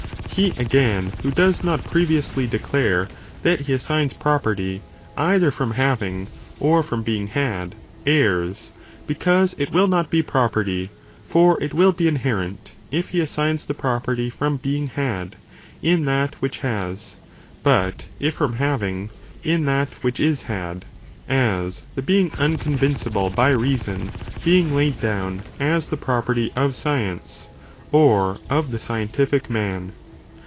He, again, who does not previously declare that he assigns property, either from having, or from being had, (errs,) because it will not be property, for it will be inherent, if he assign the property from being had, in that which has, but if from having, in that which is had, as the being unconvincible by reason being laid down as the property of science, or of the scientific man.